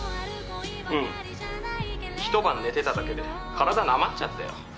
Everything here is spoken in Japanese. ☎うん一晩寝てただけで体なまっちゃったよ